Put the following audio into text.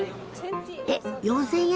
え４，０００円？